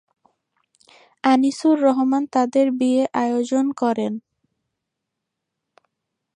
আনিসুর রহমান তাদের বিয়ে আয়োজন করেন।